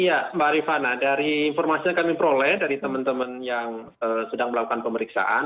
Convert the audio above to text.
iya mbak rifana dari informasi yang kami peroleh dari teman teman yang sedang melakukan pemeriksaan